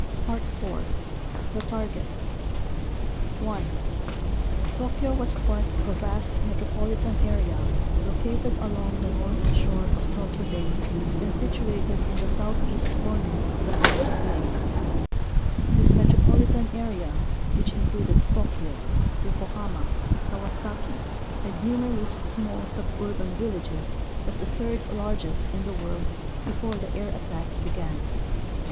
IV. The Target 1. Tokyo was part of a vast metropolitan area located along the north shore of Tokyo Bay and situated in the southeast corner of the Kanto plain. This metropolitan area which included Tokyo, Yokohama, Kawasaki, and numerous small suburban villages was the third largest in the world before the air attacks be gan.